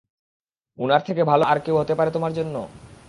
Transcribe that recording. উনার থেকে ভালো মা আর কেউ হতে পারে তোমার জন্য?